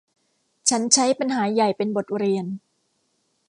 ฉันใช้ปัญหาใหญ่เป็นบทเรียน